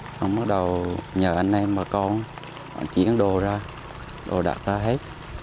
xong bắt đầu nhờ anh em bà con chuyển đồ ra đồ đặt ra hết